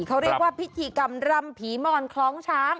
เขาเรียกว่าพิธีกรรมรำผีมอนคล้องช้าง